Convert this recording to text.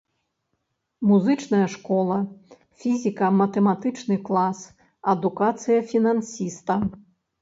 Музычная школа, фізіка-матэматычны клас, адукацыя фінансіста.